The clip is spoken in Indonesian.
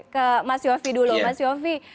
ke mas yofi dulu mas yofi